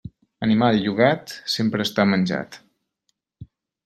Animal llogat, sempre està menjat.